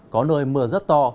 có nơi mưa rất to